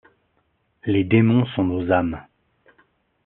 Les démons sont nos âmes